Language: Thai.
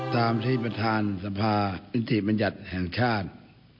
ตามที่ประธานสภานิติบัญญัติแห่งชาติ